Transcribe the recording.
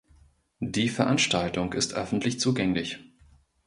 Die Veranstaltung ist öffentlich zugänglich.